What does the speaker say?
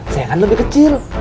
saya kan lebih kecil